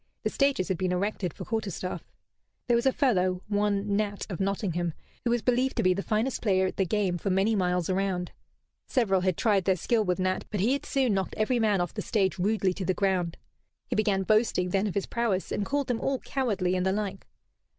The stages had been erected for quarter staff. There was a fellow, one Nat of Nottingham, who was believed to be the finest player at the game for many miles around. Several had tried their skill with Nat, but he had soon knocked every man of them off the stage rudely to the ground. He began boasting then of his prowess, and called them all cowardly and the like.